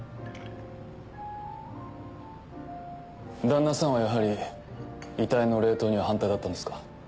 旦那さんはやはり遺体の冷凍には反対だったんですか？